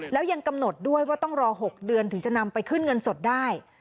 แล้วยังกำหนดด้วยว่าต้องรอ๖เดือนถึงจะนำไปขึ้นเงินสดได้